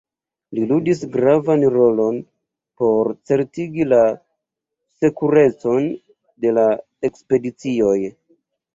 Li ludis gravan rolon por certigi la sekurecon de la ekspedicioj.